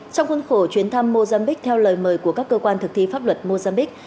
trong khuôn khổ chuyến thăm mozambique theo lời mời của các cơ quan thực thi pháp luật mozambique